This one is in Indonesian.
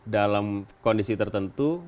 dalam kondisi tertentu